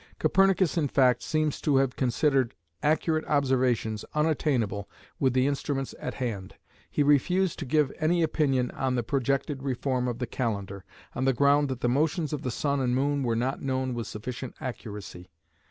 Copernicus in fact seems to have considered accurate observations unattainable with the instruments at hand. He refused to give any opinion on the projected reform of the calendar, on the ground that the motions of the sun and moon were not known with sufficient accuracy.